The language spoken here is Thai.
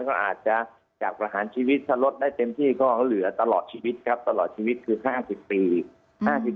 ก็อาจจะจากประหารชีวิตถ้าลดได้เต็มที่ก็เหลือตลอดชีวิตครับตลอดชีวิตคือ๕๐ปี